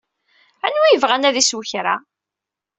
Anwa ay yebɣan ad isew kra?